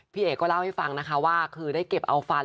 พี่เอ๋ก็เล่าให้ฟังนะคะว่าคือได้เก็บเอาฟัน